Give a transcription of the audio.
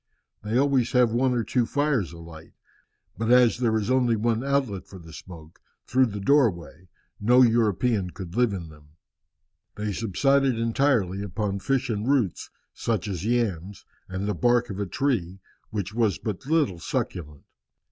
They always have one or two fires alight, but as there is only one outlet for the smoke, through the doorway, no European could live in them. [Illustration: "With the roof of considerable height."] They subsisted entirely upon fish and roots, such as yams, and the bark of a tree, which was but little succulent.